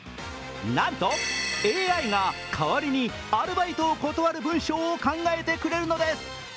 なんとＡＩがかわりにアルバイトを断る文章を考えてくれるのです。